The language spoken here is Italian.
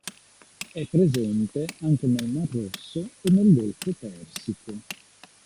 È presente anche nel mar Rosso e nel golfo Persico.